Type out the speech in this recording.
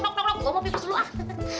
bawa mau pipis dulu ah